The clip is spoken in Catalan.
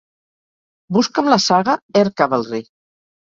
Busca'm la saga "Air Cavalry".